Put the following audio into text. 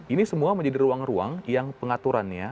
ini semua menjadi ruang ruang yang pengaturannya